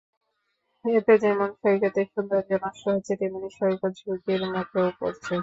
এতে যেমন সৈকতের সৌন্দর্য নষ্ট হচ্ছে, তেমনি সৈকত ঝুঁকির মুখেও পড়ছে।